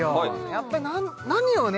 やっぱ何をね